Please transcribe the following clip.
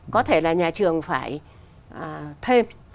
có thể là nhà trường phải thêm